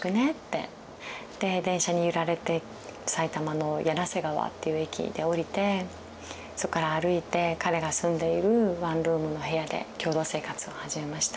で電車に揺られて埼玉の柳瀬川っていう駅で降りてそこから歩いて彼が住んでいるワンルームの部屋で共同生活を始めました。